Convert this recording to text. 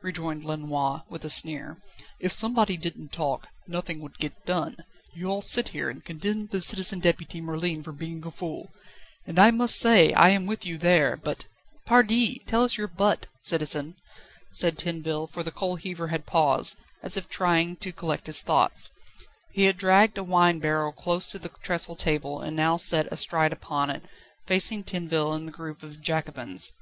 rejoined Lenoir, with a sneer "if somebody didn't talk, nothing would get done. You all sit here, and condemn the Citizen Deputy Merlin for being a fool, and I must say I am with you there, but ..." "Pardi! tell us your 'but' citizen," said Tinville, for the coal heaver had paused, as if trying to collect his thoughts. He had dragged a wine barrel to collect his thoughts. He had dragged a wine barrel close to the trestle table, and now sat astride upon it, facing Tinville and the group of Jacobins.